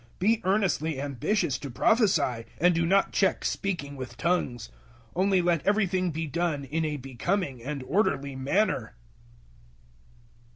Be earnestly ambitious to prophesy, and do not check speaking with tongues; 014:040 only let everything be done in a becoming and orderly manner.